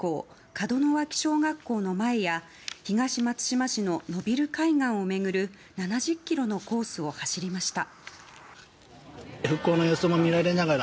門脇小学校の前や東松島市の野蒜海岸を巡る７０ｋｍのコースを走りました。